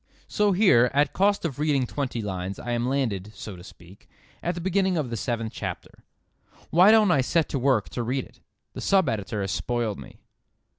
So here, at cost of reading twenty lines, I am landed, so to speak, at the beginning of the seventh chapter. Why don't I set to work to read it? The sub editor has spoiled me.